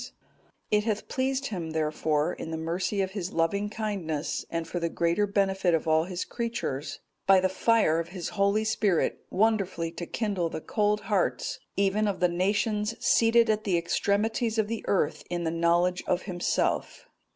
It hath pleased Him, therefore, in the mercy of His loving kindness, and for the greater benefit of all His creatures,(220) by the fire of His Holy Spirit wonderfully to kindle the cold hearts even of the nations seated at the extremities of the earth in the knowledge of Himself.